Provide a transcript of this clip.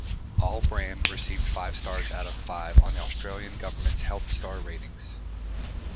All-Bran received five stars out of five on the Australian Government's health star ratings.